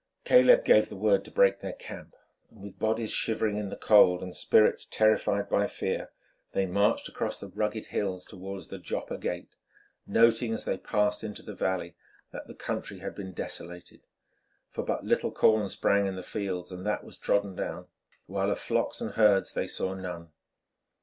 Caleb gave the word to break their camp, and with bodies shivering in the cold and spirits terrified by fear, they marched across the rugged hills towards the Joppa gate, noting as they passed into the valley that the country had been desolated, for but little corn sprang in the fields, and that was trodden down, while of flocks and herds they saw none.